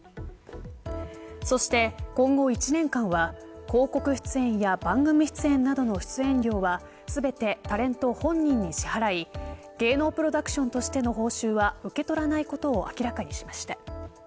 そして今後１年間は広告出演や番組出演などの出演料は全てタレント本人に支払い芸能プロダクションとしての報酬は受け取らないことを明らかにしました。